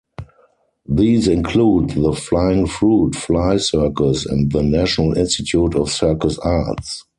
These include the Flying Fruit Fly Circus and the National Institute of Circus Arts.